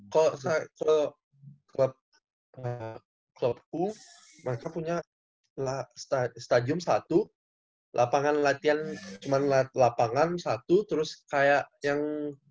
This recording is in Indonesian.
kalo saya kalo klub klubku mereka punya stadium satu lapangan latihan cuma lapangan satu terus kayak yang